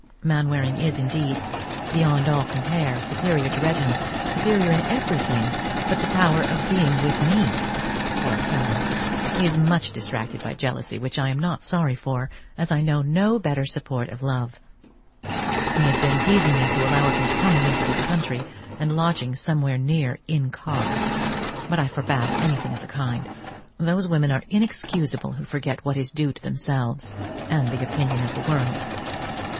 Mainwaring is indeed, beyond all compare, superior to Reginald—superior in everything but the power of being with me! Poor fellow! he is much distracted by jealousy, which I am not sorry for, as I know no better support of love. He has been teazing me to allow of his coming into this country, and lodging somewhere near incog.; but I forbade everything of the kind. Those women are inexcusable who forget what is due to themselves, and the opinion of the world.